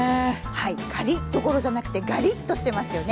はいカリッどころじゃなくてガリッとしてますよね。